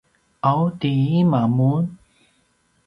’aw tiaima mun?